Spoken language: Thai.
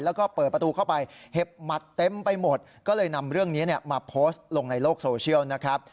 แล้วก็เปิดประตูเข้าไปเห็บหมัดเต็มไปหมดก็เลยนำเรื่องนี้มาโพสต์ลงในโลกโซเชียลนะครับ